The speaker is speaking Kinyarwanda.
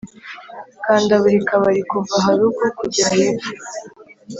kanda buri kabari kuva harugu kugera hepfo